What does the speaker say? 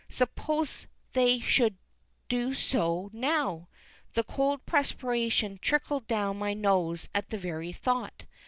Suppose they should do so now? The cold perspiration trickled down my nose at the very thought.